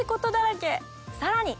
さらに！